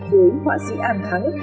đối với họa sĩ an thắng